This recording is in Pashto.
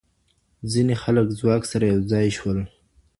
ځینې خلک ځواک سره یو ځای شول.